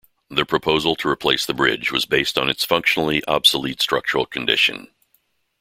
The proposal to replace the bridge was based on its functionally obsolete structural condition.